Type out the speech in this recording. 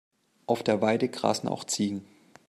Auf der Weide grasen auch Ziegen.